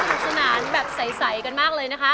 สนุกสนานแบบใสกันมากเลยนะคะ